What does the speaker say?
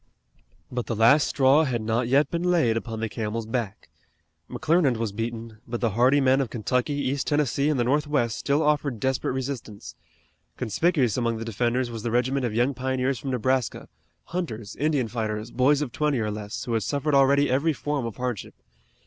But the last straw had not yet been laid upon the camel's back. McClernand was beaten, but the hardy men of Kentucky, East Tennessee and the northwest still offered desperate resistance. Conspicuous among the defenders was the regiment of young pioneers from Nebraska, hunters, Indian fighters, boys of twenty or less, who had suffered already every form of hardship.